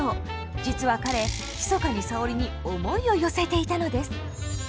実は彼ひそかに沙織に思いを寄せていたのです。